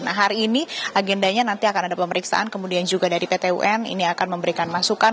nah hari ini agendanya nanti akan ada pemeriksaan kemudian juga dari pt un ini akan memberikan masukan